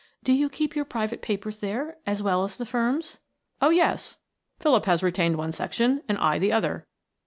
"Do you keep your private papers there, as well as the firm's?" "Oh, yes; Philip has retained one section and I the other."